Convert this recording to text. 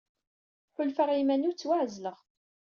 Ḥulfaɣ i iman-iw ttwaɛezleɣ.